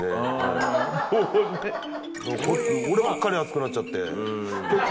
俺ばっかり熱くなっちゃって結構。